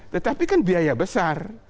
tetapi kan biaya besar